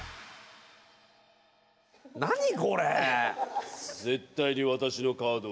何これ！